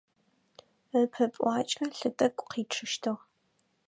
Ыпэ пӏуакӏэ лъы тӏэкӏу къичъыщтыгъ.